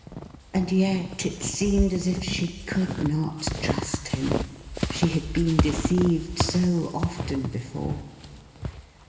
And yet it seemed as if she could not trust him. She had been deceived so often before.